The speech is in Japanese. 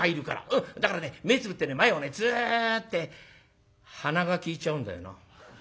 うんだからね目つぶってね前をねツーッて鼻が利いちゃうんだよな。